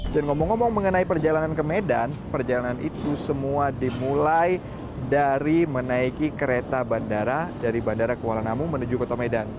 dan ngomong ngomong mengenai perjalanan ke medan perjalanan itu semua dimulai dari menaiki kereta bandara dari bandara kuala namung menuju kota medan